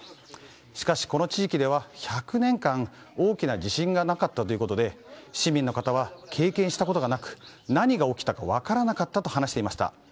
しかしこの地域では１００年間大きな地震がなかったということで市民の方は経験したことがなく何が起きたか分からなかったと話していました。